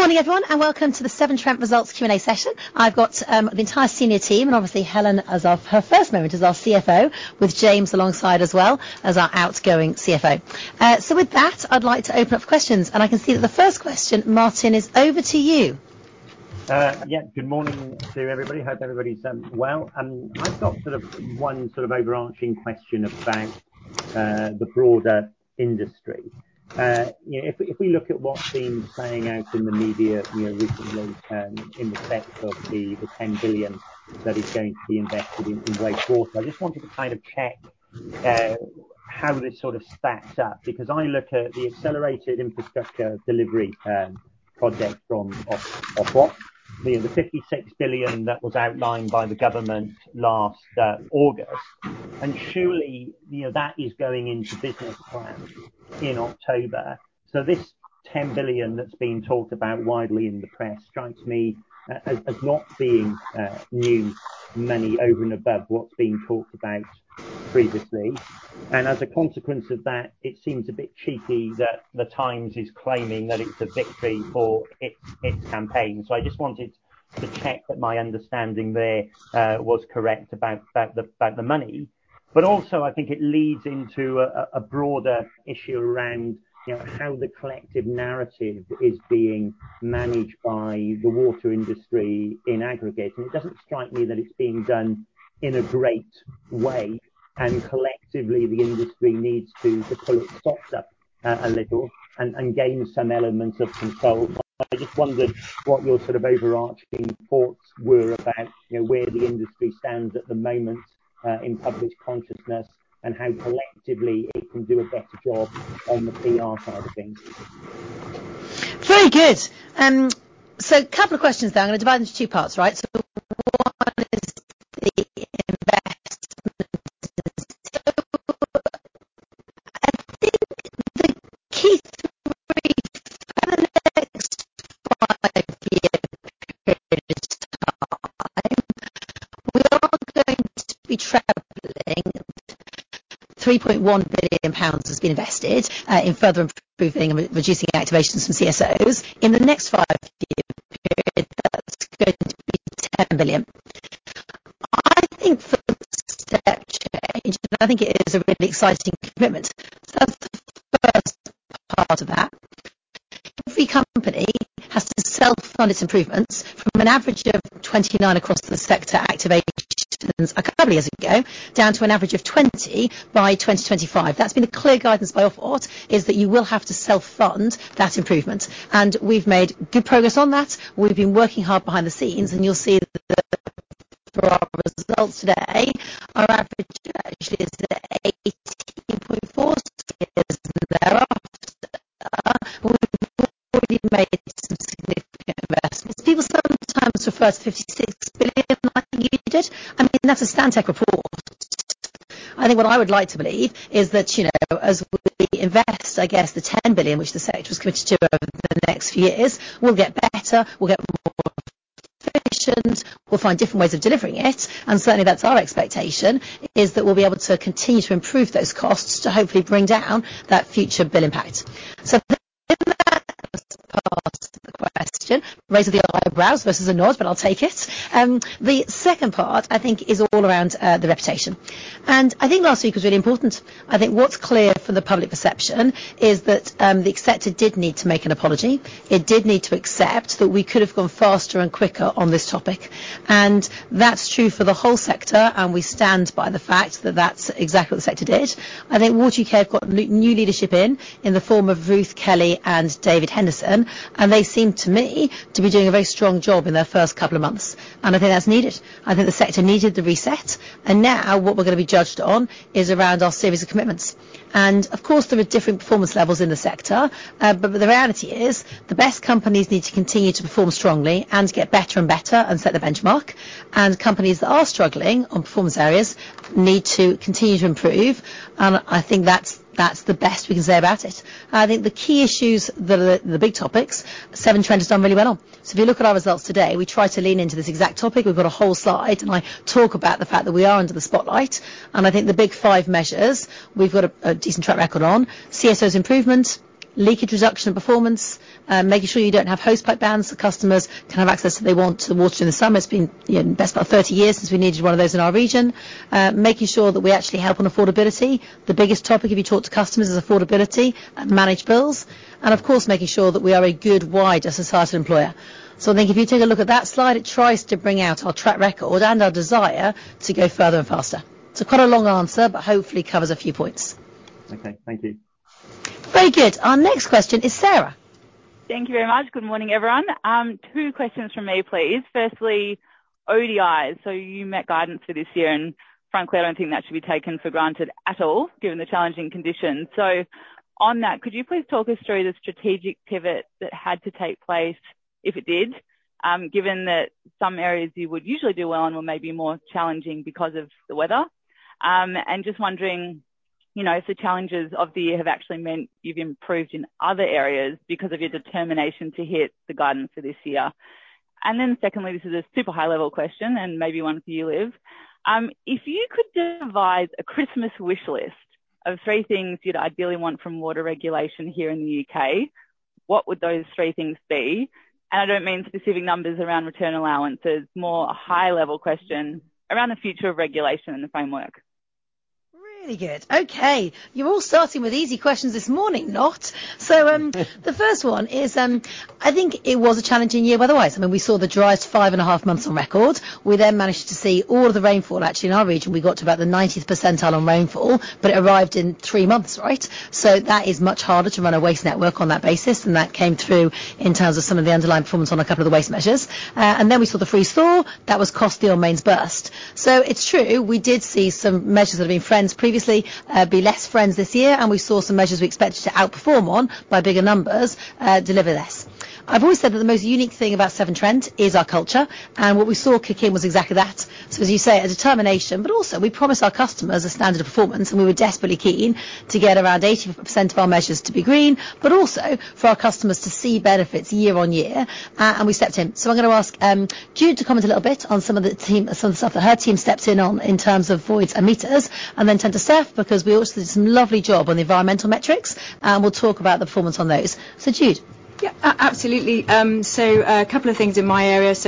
Good morning, everyone, and welcome to the Severn Trent results Q&A session. I've got, the entire senior team, and obviously Helen as her first moment as our CFO, with James alongside as well as our outgoing CFO. With that, I'd like to open up questions, and I can see that the first question, Martin, is over to you. Yeah, good morning to everybody. Hope everybody's well. I've got sort of one sort of overarching question about the broader industry. You know, if we look at what's been playing out in the media, you know, recently, in respect of the 10 billion that is going to be invested in wastewater, I just wanted to kind of check how this sort of stacks up because I look at the Accelerated Infrastructure Delivery project from Ofwat, the 56 billion that was outlined by the government last August. Surely, you know, that is going into business plans in October. This 10 billion that's been talked about widely in the press strikes me as not being new money over and above what's been talked about previously. As a consequence of that, it seems a bit cheeky that The Times is claiming that it's a victory for its campaign. I just wanted to check that my understanding there was correct about the money. Also, I think it leads into a broader issue around, you know, how the collective narrative is being managed by the water industry in aggregate. It doesn't strike me that it's being done in a great way, and collectively the industry needs to pull its socks up a little and gain some element of control. I just wondered what your sort of overarching thoughts were about, you know, where the industry stands at the moment in public consciousness and how collectively it can do a better job on the PR side of things. Very good. Couple of questions there. I'm gonna divide into 2 parts, right? 1 is the investment. I think the key story for the next 5-year period is time. We are going to be traveling 3.1 billion pounds has been invested in further improving and reducing activations from CSOs. In the next 5-year period, that's going to be 10 billion. I think for the sector, and I think it is a really exciting commitment. That's the first part of that. Every company has to self-fund its improvements from an average of 29 across the sector activations a couple of years ago, down to an average of 20 by 2025. That's been a clear guidance by Ofwat, is that you will have to self-fund that improvement. We've made good progress on that. We've been working hard behind the scenes. You'll see that through our results today, our average actually is at 18.4. We've already made some significant investments. People sometimes refer to GBP 56 billion like you did. I mean, that's a Stantec report. I think what I would like to believe is that, you know, as we invest, I guess the 10 billion, which the sector was committed to over the next few years, we'll get better, we'll get more efficient, we'll find different ways of delivering it. Certainly that's our expectation, is that we'll be able to continue to improve those costs to hopefully bring down that future bill impact. That's part of the question. Raise of the eyebrows versus a nod, but I'll take it. The second part I think is all around the reputation. I think last week was really important. I think what's clear from the public perception is that the sector did need to make an apology. It did need to accept that we could have gone faster and quicker on this topic. That's true for the whole sector, and we stand by the fact that that's exactly what the sector did. I think Water UK have got new leadership in the form of Ruth Kelly and David Henderson, and they seem to me to be doing a very strong job in their first couple of months. I think that's needed. I think the sector needed the reset. Now what we're gonna be judged on is around our series of commitments. Of course, there are different performance levels in the sector. The reality is the best companies need to continue to perform strongly and get better and better and set the benchmark. Companies that are struggling on performance areas need to continue to improve. I think that's the best we can say about it. I think the key issues that are the big topics Severn Trent has done really well on. If you look at our results today, we try to lean into this exact topic. We've got a whole slide, and I talk about the fact that we are under the spotlight. I think the big five measures, we've got a decent track record on CSOs improvements, leakage reduction and performance, making sure you don't have hosepipe bans so customers can have access that they want to water in the summer. It's been, you know, best part of 30 years since we needed one of those in our region. Making sure that we actually help on affordability. The biggest topic, if you talk to customers, is affordability and manage bills. Of course, making sure that we are a good, wider societal employer. I think if you take a look at that slide, it tries to bring out our track record and our desire to go further and faster. It's quite a long answer, but hopefully covers a few points. Okay. Thank you. Very good. Our next question is Sarah. Thank you very much. Good morning, everyone. Two questions from me, please. Firstly, ODIs. You met guidance for this year, and frankly, I don't think that should be taken for granted at all, given the challenging conditions. On that, could you please talk us through the strategic pivot that had to take place, if it did, given that some areas you would usually do well on were maybe more challenging because of the weather? Just wondering, you know, if the challenges of the year have actually meant you've improved in other areas because of your determination to hit the guidance for this year. Secondly, this is a super high level question, and maybe one for you, Liv. If you could devise a Christmas wish list of 3 things you'd ideally want from water regulation here in the U.K., what would those 3 things be? I don't mean specific numbers around return allowances. More a high-level question around the future of regulation and the framework. Really good. Okay. You're all starting with easy questions this morning. Not. I think it was a challenging year weather-wise. I mean, we saw the driest 5.5 months on record. We managed to see all of the rainfall. Actually, in our region, we got to about the 90th percentile on rainfall, but it arrived in 3 months, right? That is much harder to run a waste network on that basis, and that came through in terms of some of the underlying performance on a couple of the waste measures. We saw the freeze thaw. That was costly on mains burst. It's true, we did see some measures that have been friends previously, be less friends this year, and we saw some measures we expected to outperform on by bigger numbers, deliver less. I've always said that the most unique thing about Severn Trent is our culture. What we saw kick in was exactly that. As you say, a determination, but also we promise our customers a standard of performance, and we were desperately keen to get around 80% of our measures to be green, but also for our customers to see benefits year on year. We stepped in. I'm gonna ask Jude to comment a little bit on some of the stuff that her team stepped in on in terms of voids and meters, then turn to Steph, because we also did some lovely job on the environmental metrics, and we'll talk about the performance on those. Jude. Yeah. Absolutely. A couple of things in my area. These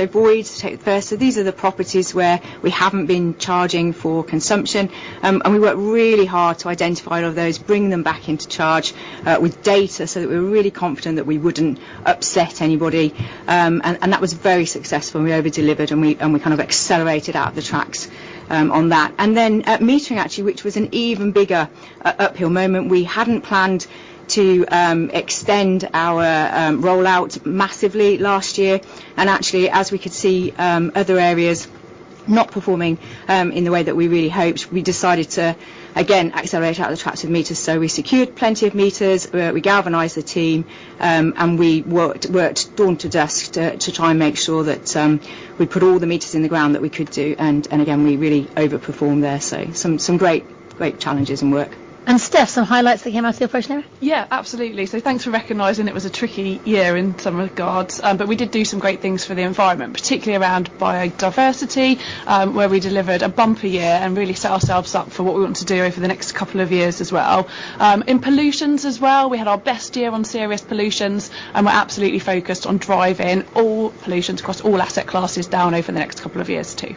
are the properties where we haven't been charging for consumption. We worked really hard to identify all of those, bring them back into charge with data, so that we were really confident that we wouldn't upset anybody. That was very successful, and we over-delivered, and we kind of accelerated out the tracks on that. Then metering actually, which was an even bigger uphill moment. We hadn't planned to extend our rollout massively last year. Actually, as we could see, other areas not performing in the way that we really hoped, we decided to, again, accelerate out the tracks with meters. We secured plenty of meters, we galvanized the team, and we worked dawn to dusk to try and make sure that we put all the meters in the ground that we could do, and again, we really overperformed there, so some great challenges and work. Steph, some highlights that came out of your Fresh Start. Yeah, absolutely. Thanks for recognizing it was a tricky year in some regards. We did do some great things for the environment, particularly around biodiversity, where we delivered a bumper year and really set ourselves up for what we want to do over the next couple of years as well. In pollutions as well, we had our best year on serious pollutions, and we're absolutely focused on driving all pollutions across all asset classes down over the next couple of years too.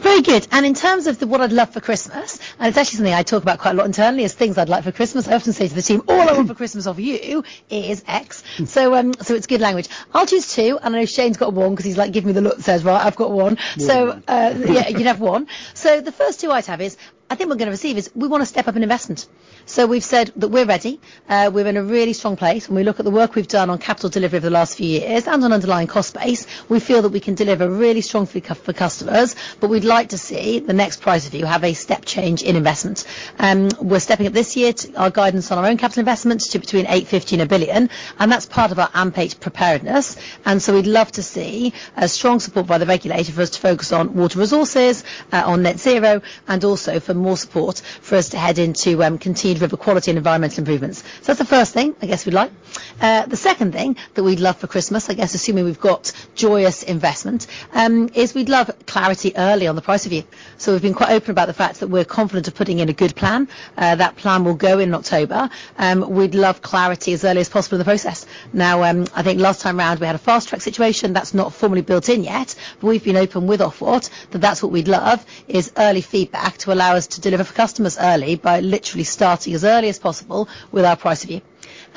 Very good. In terms of the what I'd love for Christmas, and it's actually something I talk about quite a lot internally, is things I'd like for Christmas. I often say to the team, "All I want for Christmas of you is X." It's good language. I'll choose two, and I know Shane's got one 'cause he's like giving me the look that says, "Right, I've got one. Yeah. Yeah, you can have one. The first two I'd have is, I think we're gonna receive is, we wanna step up in investment. We've said that we're ready. We're in a really strong place, and we look at the work we've done on capital delivery over the last few years and on underlying cost base, we feel that we can deliver really strongly for customers, but we'd like to see the next price review have a step change in investment. We're stepping up this year to our guidance on our own capital investments to between 850 million and 1 billion, and that's part of our AMP8 preparedness. We'd love to see a strong support by the regulator for us to focus on water resources, on net zero, and also for more support for us to head into continued river quality and environmental improvements. That's the first thing I guess we'd like. The second thing that we'd love for Christmas, I guess assuming we've got joyous investment, is we'd love clarity early on the price review. We've been quite open about the fact that we're confident of putting in a good plan. That plan will go in October. We'd love clarity as early as possible in the process. Now, I think last time round, we had a fast-track situation that's not formally built in yet, but we've been open with Ofwat that that's what we'd love, is early feedback to allow us to deliver for customers early by literally starting as early as possible with our price review.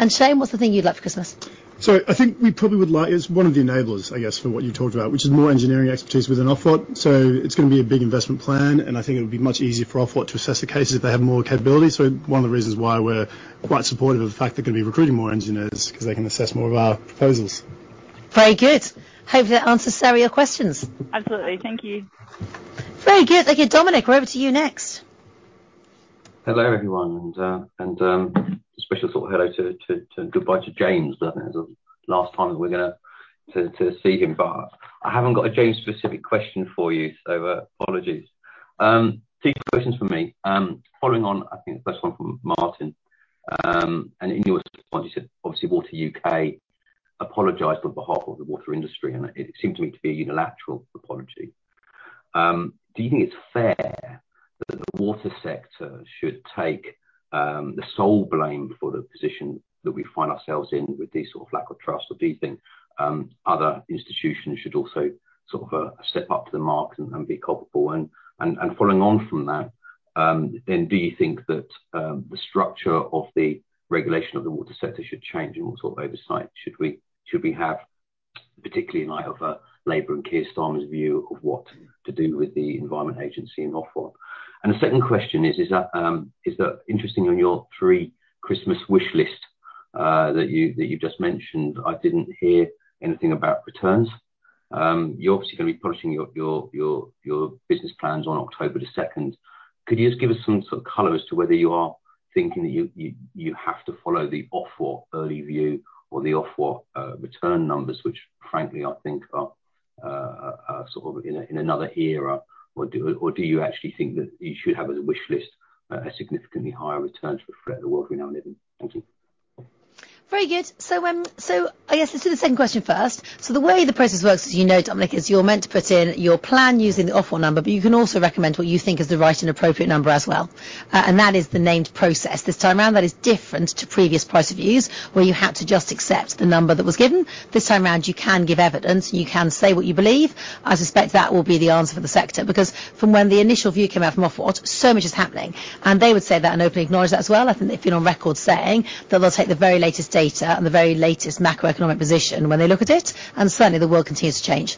Shane, what's the thing you'd love for Christmas? I think we probably would like is one of the enablers, I guess, for what you talked about, which is more engineering expertise within Ofwat. It's gonna be a big investment plan, and I think it would be much easier for Ofwat to assess the cases if they have more capability. One of the reasons why we're quite supportive of the fact they're gonna be recruiting more engineers, 'cause they can assess more of our proposals. Very good. Hope that answers, Sarah, your questions. Absolutely. Thank you. Very good. Thank you. Dominic, we're over to you next. Hello, everyone, and special sort of hello to and goodbye to James. That is the last time that we're gonna see him. I haven't got a James specific question for you, so apologies. Two questions from me. Following on, I think the first one from Martin, in your response, you said obviously Water UK apologized on behalf of the water industry, and it seemed to me to be a unilateral apology. Do you think it's fair that the water sector should take the sole blame for the position that we find ourselves in with this sort of lack of trust, or do you think other institutions should also sort of step up to the mark and be culpable? Following on from that, do you think that the structure of the regulation of the water sector should change and what sort of oversight should we have, particularly in light of Labour and Keir Starmer's view of what to do with the Environment Agency and Ofwat? The second question is that interesting on your three Christmas wish list that you just mentioned? I didn't hear anything about returns. You're obviously gonna be publishing your business plans on October the second. Could you just give us some sort of color as to whether you are thinking that you have to follow the Ofwat early view or the Ofwat return numbers, which frankly, I think are in a, in another era, or do you actually think that you should have as a wish list a significantly higher return to reflect the world we now live in? Thank you. Very good. I guess let's do the second question first. The way the process works, as you know, Dominic, is you're meant to put in your plan using the Ofwat number, but you can also recommend what you think is the right and appropriate number as well. That is the named process. This time around, that is different to previous price reviews, where you had to just accept the number that was given. This time around, you can give evidence, you can say what you believe. I suspect that will be the answer for the sector, because from when the initial view came out from Ofwat, so much is happening, and they would say that and openly acknowledge that as well. I think they've been on record saying that they'll take the very latest data and the very latest macroeconomic position when they look at it, certainly the world continues to change.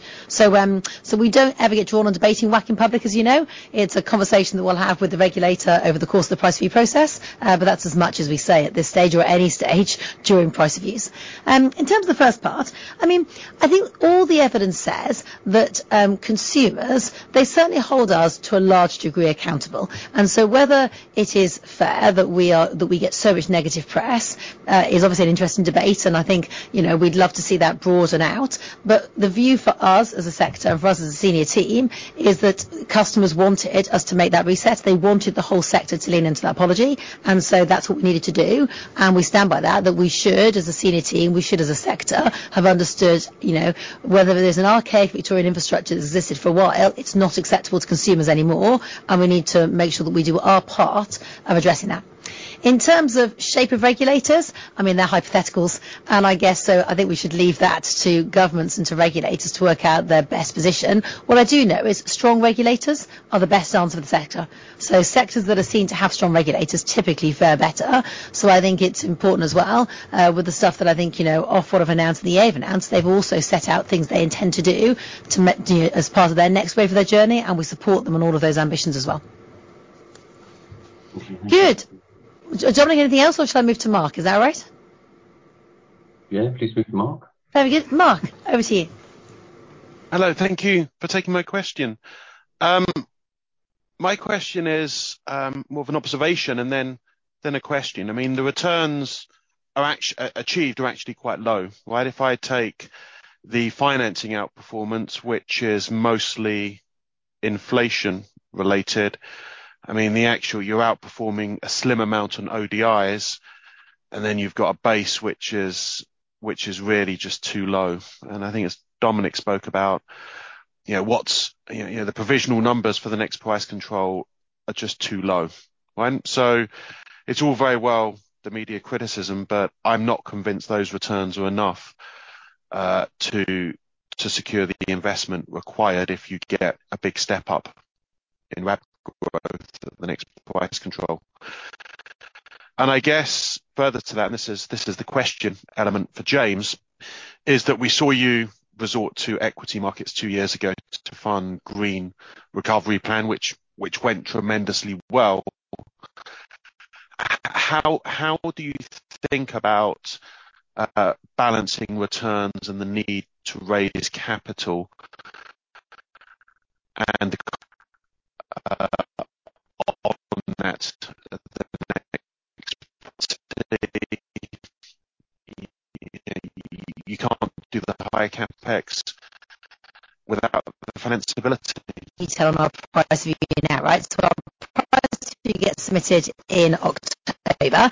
We don't ever get drawn on debating WACC in public, as you know. It's a conversation that we'll have with the regulator over the course of the price review process. That's as much as we say at this stage or any stage during price reviews. In terms of the first part, I mean, I think all the evidence says that consumers, they certainly hold us to a large degree accountable. Whether it is fair that we get so much negative press is obviously an interesting debate. I think, you know, we'd love to see that broaden out. The view for us as a sector, for us as a senior team, is that customers wanted us to make that reset. They wanted the whole sector to lean into that apology. That's what we needed to do. We stand by that we should, as a senior team, we should as a sector, have understood, you know, whether there's an archaic Victorian infrastructure that's existed for a while, it's not acceptable to consumers anymore, and we need to make sure that we do our part of addressing that. In terms of shape of regulators, I mean, they're hypotheticals, and I guess so I think we should leave that to governments and to regulators to work out their best position. What I do know is strong regulators are the best answer for the sector. Sectors that are seen to have strong regulators typically fare better. I think it's important as well, with the stuff that I think, you know, Ofwat have announced and the EA announced, they've also set out things they intend to do as part of their next wave of their journey, and we support them on all of those ambitions as well. Thank you. Good. Dominic, anything else, or should I move to Mark? Is that all right? Yeah. Please move to Mark. Very good. Mark, over to you. Hello. Thank you for taking my question. My question is more of an observation and then a question. I mean, the returns achieved are actually quite low, right? If I take the financing outperformance, which is mostly inflation-related. I mean, you're outperforming a slim amount on ODIs, and then you've got a base which is really just too low. I think as Dominic spoke about, you know, what's, you know, the provisional numbers for the next price control are just too low, right? It's all very well, the media criticism, but I'm not convinced those returns are enough to secure the investment required if you get a big step up in WACC growth at the next price control. I guess further to that, this is the question element for James, is that we saw you resort to equity markets two years ago to fund Green Recovery programme, which went tremendously well. How do you think about balancing returns and the need to raise capital? On that, the next possibility, you can't do the higher CapEx without the financability. Detail on our price review now, right. Our price review gets submitted in October.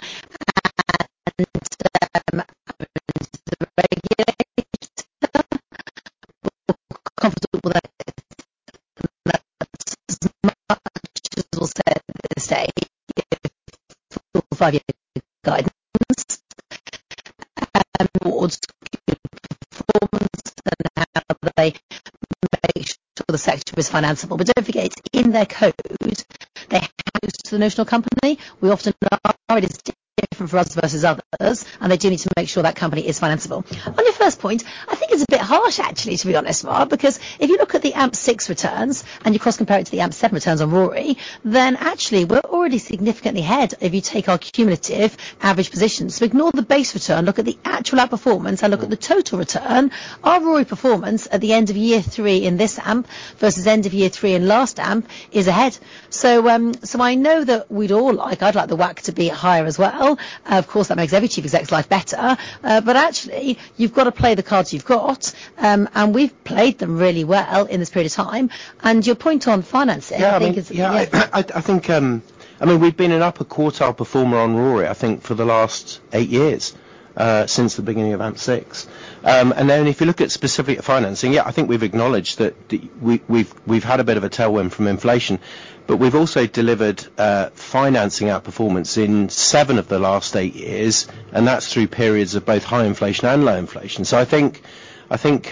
The regulators are more comfortable that this is as much as we'll say for five years with guidance. More on performance and how they make sure the sector is financeable. Don't forget, in their code, they have the notional company. It is different for us versus others, and they do need to make sure that company is financeable. On your first point, I think it's a bit harsh actually, to be honest, Mark, because if you look at the AMP6 returns and you cross-compare it to the AMP7 returns on RORI, then actually we're already significantly ahead if you take our cumulative average position. Ignore the base return, look at the actual outperformance and look at the total return. Our RORI performance at the end of year three in this AMP versus end of year three in last AMP is ahead. I know that we'd all like the WACC to be higher as well. Of course, that makes every chief exec's life better. But actually, you've got to play the cards you've got. We've played them really well in this period of time. Your point on financing, I think is. I think, I mean, we've been an upper quartile performer on RORI, I think, for the last 8 years, since the beginning of AMP6. If you look at specifically at financing, I think we've acknowledged that we've had a bit of a tailwind from inflation, but we've also delivered financing outperformance in 7 of the last 8 years. That's through periods of both high inflation and low inflation. I think,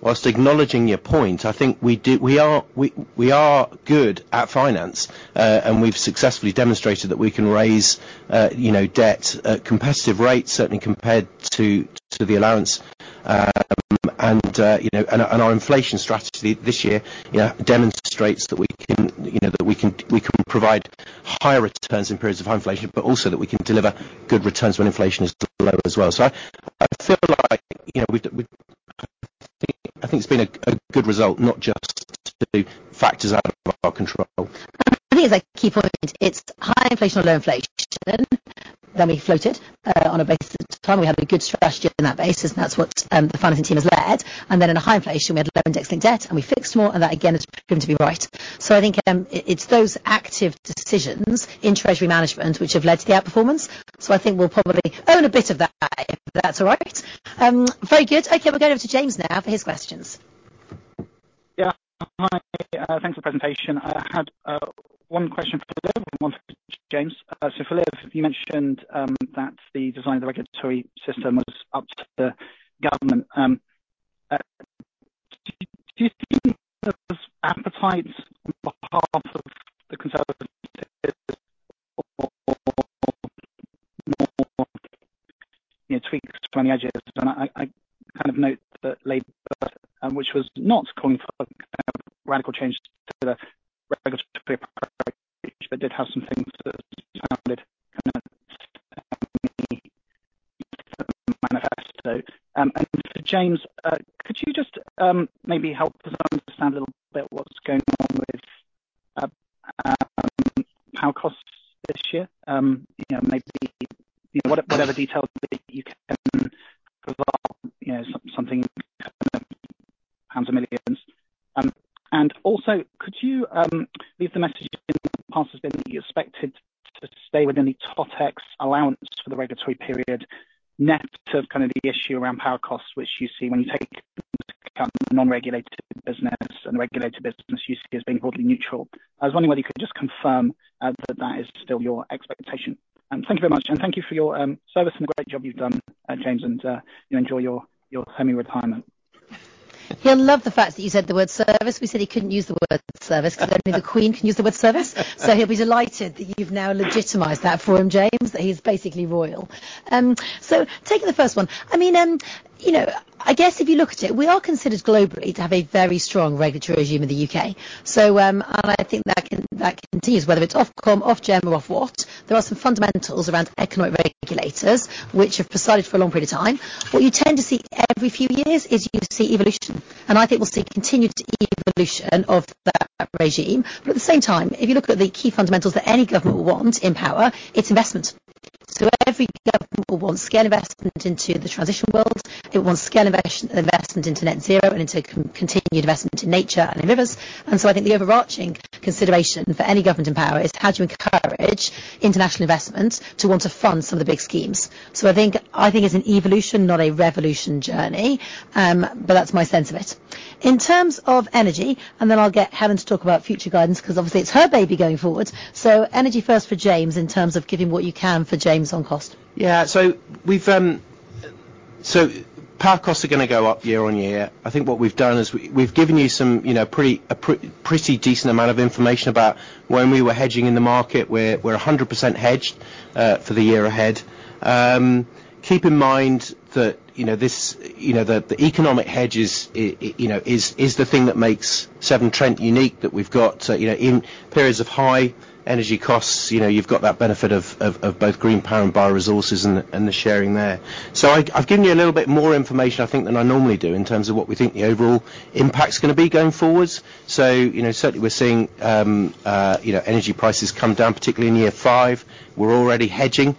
whilst acknowledging your point, I think we are good at finance, and we've successfully demonstrated that we can raise, you know, debt at competitive rates, certainly compared to the allowance. You know, our inflation strategy this year, you know, demonstrates that we can, you know, that we can provide higher returns in periods of high inflation, but also that we can deliver good returns when inflation is lower as well. I feel like, you know, we've I think it's been a good result, not just to factors out of our control. I think it's a key point. It's high inflation or low inflation. We floated on a basis at the time. We had a good strategy on that basis. That's what the financing team has led. In a high inflation, we had low index-linked debt, We fixed more, and that again has proven to be right. I think it's those active decisions in treasury management which have led to the outperformance. I think we'll probably own a bit of that, if that's all right. Very good. Okay, we're going over to James now for his questions. Yeah. Hi. Thanks for the presentation. I had one question for Liv and one for James. For Liv, you mentioned that the design of the regulatory system was up to the government. Do you see appetite on behalf of the Conservative or more, you know, tweaks around the edges? I kind of note that Labour, which was not calling for radical changes to the regulatory approach, but did have some things that sounded kind of in the manifesto. For James, could you just maybe help us understand a little bit what's going on with power costs this year? You know, maybe whatever detail you can provide, you know, something in terms of GBP or millions. Also, could you leave the message in the past has been you expected to stay within the Totex allowance for the regulatory period, net of kind of the issue around power costs, which you see when you take account the non-regulated business and the regulated business you see as being broadly neutral. I was wondering whether you could just confirm that that is still your expectation. Thank you very much. Thank you for your service and the great job you've done, James, and you enjoy your home retirement. He'll love the fact that you said the word service. We said he couldn't use the word service because only the Queen can use the word service. He'll be delighted that you've now legitimized that for him, James. That he's basically royal. Taking the first one, I mean, you know, I guess if you look at it, we are considered globally to have a very strong regulatory regime in the U.K. I think that continues, whether it's Ofcom, Ofgem or Ofwat. There are some fundamentals around economic regulators which have presided for a long period of time. What you tend to see every few years is you see evolution, I think we'll see continued e-evolution of that regime. At the same time, if you look at the key fundamentals that any government will want in power, it's investment. Every government will want scale investment into the transition world. It wants scale investment into net zero and into continued investment in nature and in rivers. I think the overarching consideration for any government in power is how do you encourage international investment to want to fund some of the big schemes. I think it's an evolution, not a revolution journey, but that's my sense of it. In terms of energy, I'll get Helen to talk about future guidance, because obviously it's her baby going forward. Energy first for James in terms of giving what you can for James on cost. Yeah. Power costs are gonna go up year-on-year. I think what we've done is we've given you some, you know, pretty decent amount of information about when we were hedging in the market. We're 100% hedged for the year ahead. Keep in mind that, you know, this, you know, the economic hedge is, you know, the thing that makes Severn Trent unique, that we've got, you know, in periods of high energy costs, you know, you've got that benefit of, of both green power and bioresources and the, and the sharing there. I've given you a little bit more information, I think, than I normally do in terms of what we think the overall impact's gonna be going forwards. You know, certainly we're seeing, you know, energy prices come down, particularly in year 5. We're already hedging.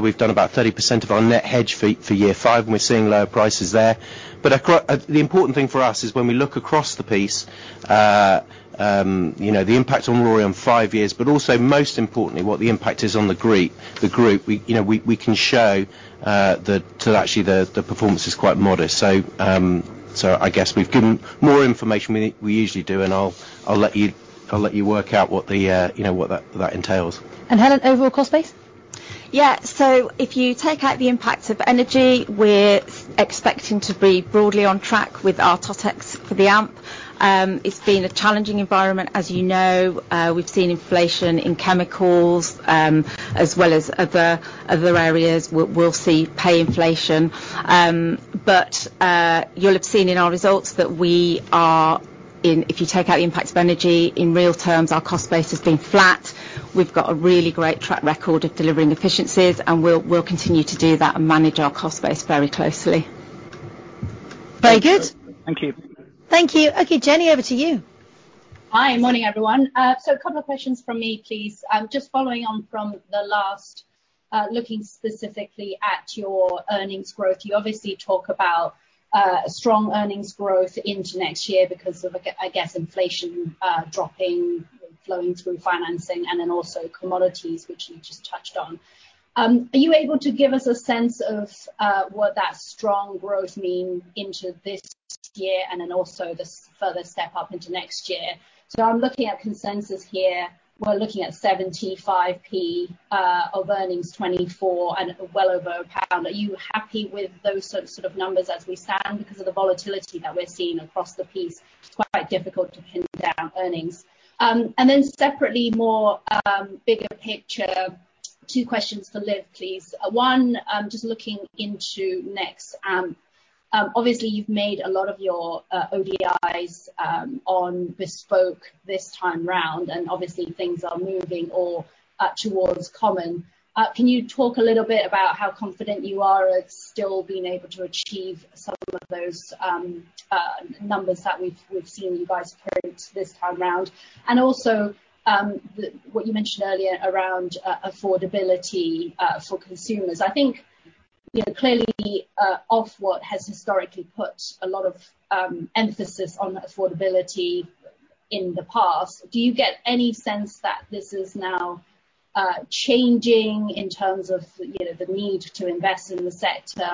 We've done about 30% of our net hedge for year 5, and we're seeing lower prices there. The important thing for us is when we look across the piece, you know, the impact on RoRE on 5 years, but also most importantly, what the impact is on the group. We, you know, we can show that actually the performance is quite modest. I guess we've given more information than we usually do, and I'll let you, I'll let you work out what the, you know, what that entails. Helen, overall cost base? Yeah. If you take out the impact of energy, we're expecting to be broadly on track with our Totex for the AMP. It's been a challenging environment, as you know. We've seen inflation in chemicals, as well as other areas. We'll see pay inflation. You'll have seen in our results that, if you take out the impact of energy in real terms, our cost base has been flat. We've got a really great track record of delivering efficiencies, and we'll continue to do that and manage our cost base very closely. Very good. Thank you. Thank you. Okay, Jenny, over to you. Hi. Morning, everyone. A couple of questions from me, please. Just following on from the last, looking specifically at your earnings growth. You obviously talk about strong earnings growth into next year because of, I guess inflation, dropping, flowing through financing and then also commodities, which you just touched on. Are you able to give us a sense of what that strong growth mean into this year and then also the further step up into next year? I'm looking at consensus here. We're looking at 75p of earnings 2024 and well over GBP 1. Are you happy with those sort of numbers as we stand? Because of the volatility that we're seeing across the piece, it's quite difficult to pin down earnings. Separately, more, bigger picture, two questions for Liv, please. One, just looking into next. Obviously, you've made a lot of your ODIs on bespoke this time round, and obviously things are moving or towards common. Can you talk a little bit about how confident you are at still being able to achieve some of those numbers that we've seen you guys quote this time round? The, what you mentioned earlier around affordability for consumers. I think You know, clearly, Ofwat has historically put a lot of emphasis on affordability in the past. Do you get any sense that this is now changing in terms of, you know, the need to invest in the sector?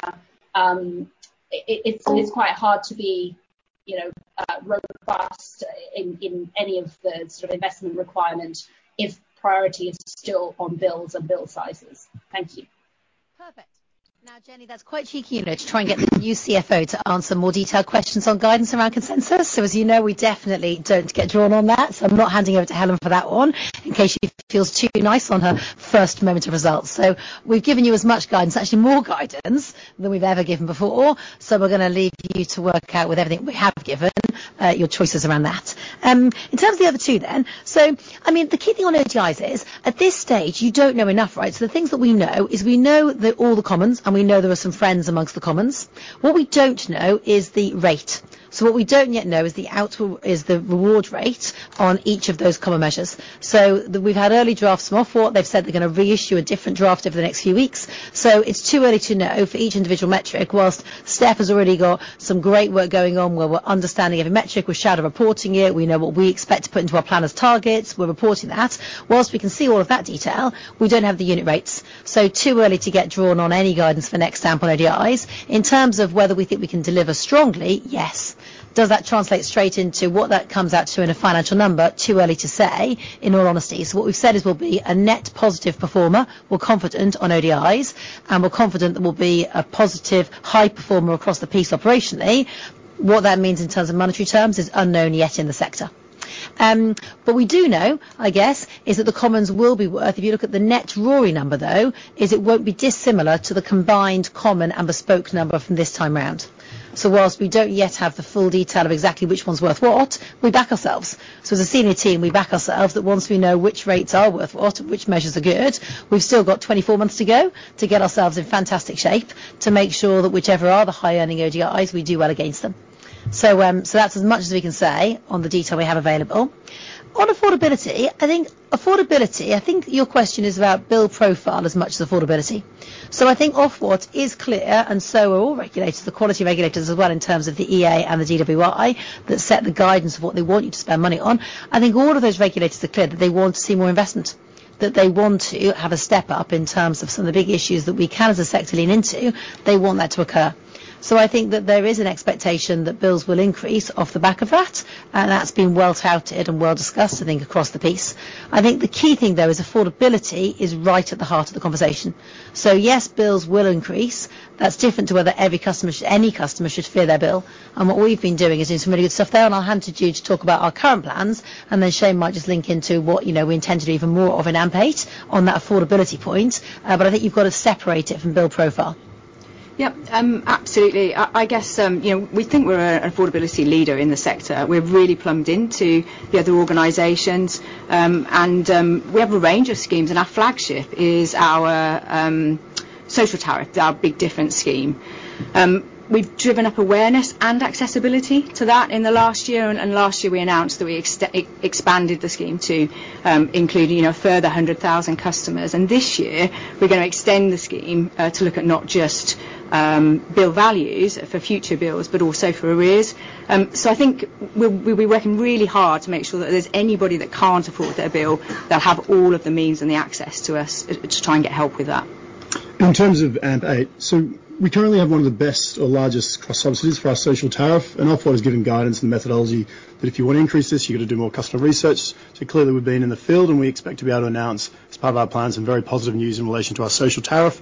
It's quite hard to be, you know, robust in any of the sort of investment requirement if priority is still on bills and bill sizes. Thank you. Perfect. Jenny, that's quite cheeky, you know, to try and get the new CFO to answer more detailed questions on guidance around consensus. As you know, we definitely don't get drawn on that, so I'm not handing over to Helen for that one in case she feels too nice on her first moment of results. We've given you as much guidance, actually more guidance than we've ever given before. We're gonna leave you to work out with everything we have given, your choices around that. In terms of the other two then. I mean, the key thing on ODIs is at this stage you don't know enough, right? The things that we know is we know that all the commons, and we know there are some friends amongst the commons. What we don't know is the rate. What we don't yet know is the reward rate on each of those common measures. We've had early drafts from Ofwat. They've said they're gonna reissue a different draft over the next few weeks, so it's too early to know for each individual metric. While Steph has already got some great work going on where we're understanding every metric, we're shadow reporting it. We know what we expect to put into our planners targets. We're reporting that. While we can see all of that detail, we don't have the unit rates, so too early to get drawn on any guidance for next sample ODIs. In terms of whether we think we can deliver strongly, yes. Does that translate straight into what that comes out to in a financial number? Too early to say, in all honesty. What we've said is we'll be a net positive performer. We're confident on ODIs, and we're confident that we'll be a positive high performer across the piece operationally. What that means in terms of monetary terms is unknown yet in the sector. But we do know, I guess, is that the commons will be worth. If you look at the net RoRE number, though, it won't be dissimilar to the combined common and bespoke number from this time round. Whilst we don't yet have the full detail of exactly which one's worth what, we back ourselves. As a senior team, we back ourselves that once we know which rates are worth what and which measures are good, we've still got 24 months to go to get ourselves in fantastic shape to make sure that whichever are the high-earning ODIs, we do well against them. That's as much as we can say on the detail we have available. On affordability, I think your question is about bill profile as much as affordability. I think Ofwat is clear and so are all regulators, the quality regulators as well, in terms of the EA and the DWI, that set the guidance of what they want you to spend money on. I think all of those regulators are clear that they want to see more investment, that they want to have a step up in terms of some of the big issues that we can as a sector lean into. They want that to occur. I think that there is an expectation that bills will increase off the back of that, and that's been well touted and well discussed, I think, across the piece. I think the key thing though is affordability is right at the heart of the conversation. Yes, bills will increase. That's different to whether every customer should any customer should fear their bill. What we've been doing is doing some really good stuff. I'll hand to you to talk about our current plans, and then Shane might just link into what, you know, we intend to do even more of in AMP8 on that affordability point. I think you've got to separate it from bill profile. Yep, absolutely. I guess, you know, we think we're an affordability leader in the sector. We're really plumbed into the other organizations, and we have a range of schemes, and our flagship is our social tariff, our Big Difference Scheme. We've driven up awareness and accessibility to that in the last year, and last year we announced that we expanded the scheme to include, you know, a further 100,000 customers. This year we're gonna extend the scheme to look at not just bill values for future bills, but also for arrears. I think we'll be working really hard to make sure that if there's anybody that can't afford their bill, they'll have all of the means and the access to us to try and get help with that. In terms of AMP8, we currently have one of the best or largest cross subsidies for our social tariff. Ofwat has given guidance and methodology that if you wanna increase this, you've got to do more customer research. Clearly we've been in the field, we expect to be able to announce as part of our plans some very positive news in relation to our social tariff.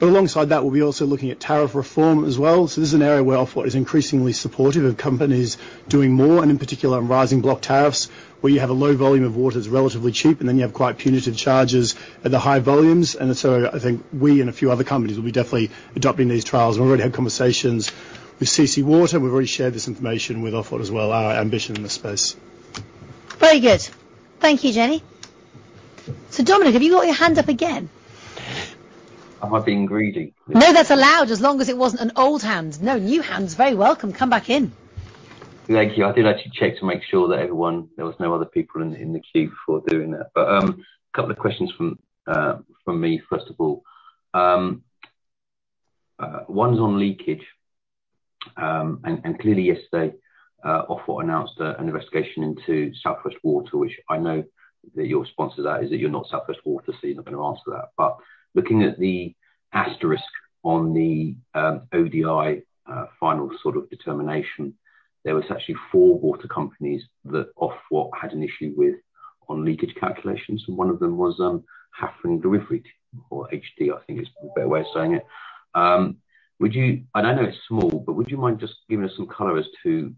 Alongside that, we'll be also looking at tariff reform as well. This is an area where Ofwat is increasingly supportive of companies doing more, and in particular on Rising Block Tariffs, where you have a low volume of water that's relatively cheap, and then you have quite punitive charges at the high volumes. I think we and a few other companies will be definitely adopting these trials. We've already had conversations with CC Water. We've already shared this information with Ofwat as well, our ambition in this space. Very good. Thank you, Jenny. Dominic, have you got your hand up again? Am I being greedy? No, that's allowed, as long as it wasn't an old hand. No, new hand's very welcome. Come back in. Thank you. I did actually check to make sure that there was no other people in the queue before doing that. A couple of questions from me, first of all. One's on leakage. Clearly yesterday, Ofwat announced an investigation into South West Water, which I know that your response to that is that you're not South West Water, so you're not gonna answer that. Looking at the asterisk on the ODI final sort of determination, there was actually four water companies that Ofwat had an issue with on leakage calculations, and one of them was Hafren Dyfrdwy or HD, I think is a better way of saying it. I know it's small, but would you mind just giving us some color as to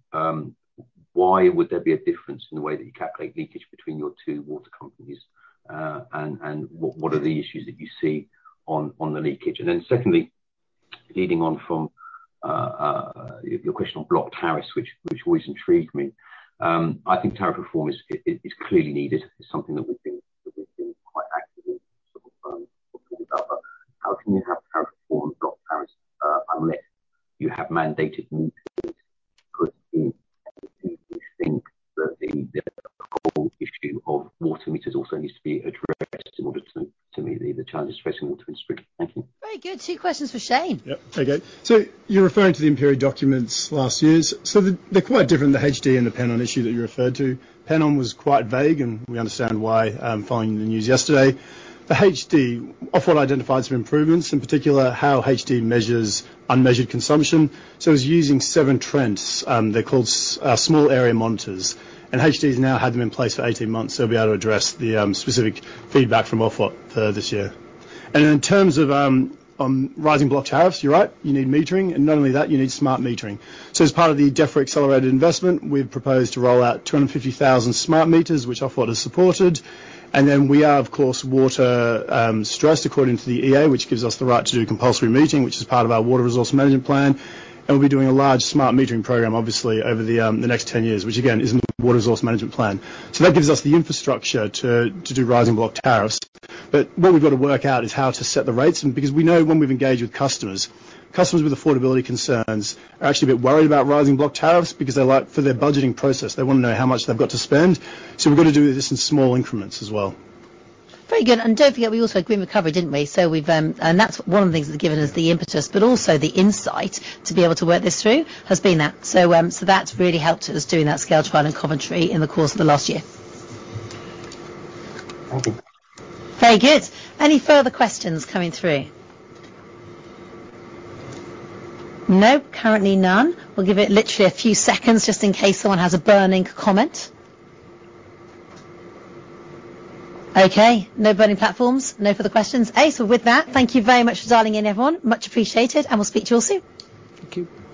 why would there be a difference in the way that you calculate leakage between your two water companies? What are the issues that you see on the leakage? Secondly, leading on from your question on block tariffs, which always intrigued me. I think tariff reform is clearly needed. It's something that we've been quite active in sort of. Mm-hmm. How can you have tariff reform block tariffs, unless you have mandated new? The whole issue of water meters also needs to be addressed in order to meet the challenges facing water in spring. Thank you. Very good. Two questions for Shane. Yep. Okay. You're referring to the empirical documents last year. They're quite different, the HD and the Pennon issue that you referred to. Pan On was quite vague, and we understand why, following the news yesterday. The HD, Ofwat identified some improvements, in particular, how HD measures unmeasured consumption. It's using Severn Trent. They're called small area monitors. HD's now had them in place for 18 months, so they'll be able to address the specific feedback from Ofwat for this year. In terms of Rising Block Tariffs, you're right, you need metering, and not only that, you need smart metering. As part of the Defra accelerated investment, we've proposed to roll out 250,000 smart meters, which Ofwat has supported. We are of course water stressed according to the EA, which gives us the right to do compulsory metering, which is part of our Water Resources Management Plan. We'll be doing a large smart metering program obviously over the next 10 years, which again is in the Water Resources Management Plan. That gives us the infrastructure to do Rising Block Tariffs. What we've got to work out is how to set the rates. Because we know when we've engaged with customers with affordability concerns are actually a bit worried about Rising Block Tariffs because for their budgeting process, they wanna know how much they've got to spend. We've got to do this in small increments as well. Very good. Don't forget, we also had Green Recovery, didn't we? We've, and that's one of the things that's given us the impetus, but also the insight to be able to work this through, has been that. That's really helped us doing that scale trial in Coventry in the course of the last year. Thank you. Very good. Any further questions coming through? No. Currently none. We'll give it literally a few seconds just in case someone has a burning comment. Okay. No burning platforms. No further questions. With that, thank you very much for dialing in everyone. Much appreciated, and we'll speak to you all soon. Thank you.